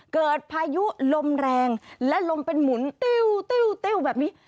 เกิดพายุลมแรงและลมเป็นหมุนแบบนี้